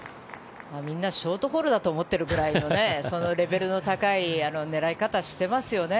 みんなショートホールだと思っているぐらいレベルの高い入れ方をしていますね。